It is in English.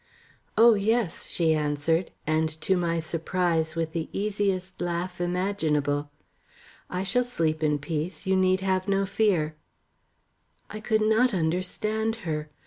"Oh, yes," she answered, and to my surprise with the easiest laugh imaginable. "I shall sleep in peace. You need have no fear." I could not understand her.